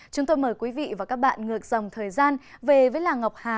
chúng tôi mời quý vị và các bạn ngược dòng thời gian về với làng ngọc hà